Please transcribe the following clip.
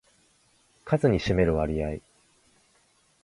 数に占める割合